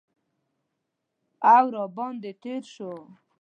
او را باندې تیر شو